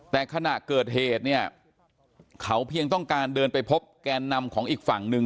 แต่ขณะเกิดเหตุเนี่ยเขาเพียงต้องการเดินไปพบแกนนำของอีกฝั่งหนึ่ง